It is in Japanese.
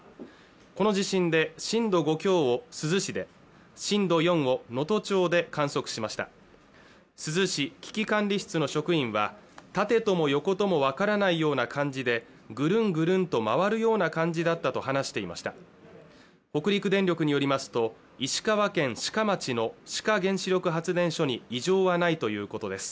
この地震で震度５強珠洲市で震度４を能登町で観測しました珠洲市危機管理室の職員は縦とも横とも分からないような感じでグルングルンと回るような感じだったと話していました北陸電力によりますと石川県志賀町の志賀原子力発電所に異常はないということです